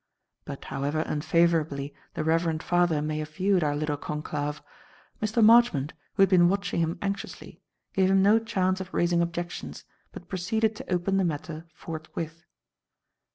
But however unfavourably the reverend father may have viewed our little conclave, Mr. Marchmont, who had been watching him anxiously, gave him no chance of raising objections, but proceeded to open the matter forthwith.